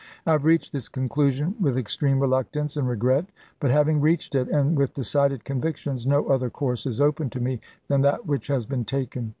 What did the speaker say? I have reached this conclusion with ex treme reluctance and regret; but having reached it, and with decided convictions, no other course is open to me than that which has been taken.